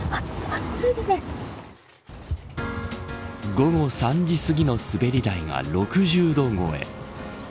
午後３時すぎのすべり台が６０度超え。